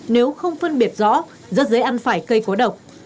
nếu không phân biệt rõ rất dễ ăn phải cây cố độc